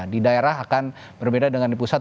di daerah akan berbeda dengan di pusat